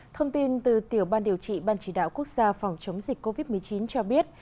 thông tin từ tiểu ban điều trị ban chỉ đạo quốc gia phòng chống dịch covid một mươi chín cho biết